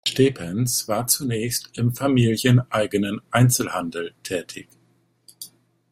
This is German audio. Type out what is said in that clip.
Stephens war zunächst im familieneigenen Einzelhandel tätig.